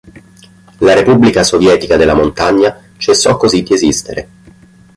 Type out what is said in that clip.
La Repubblica Sovietica della Montagna cessò così di esistere.